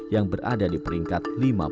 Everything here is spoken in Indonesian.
yang berada di peringkat lima puluh